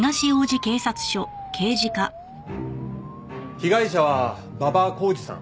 被害者は馬場孝治さん。